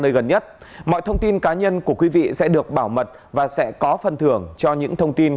nơi gần nhất mọi thông tin cá nhân của quý vị sẽ được bảo mật và sẽ có phần thưởng cho những thông tin